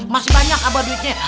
masih banyak apa duitnya